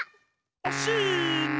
おっしの！